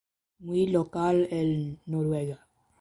Muy local en Noruega.